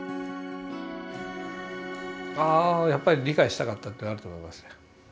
あやっぱり理解したかったってあると思いますね。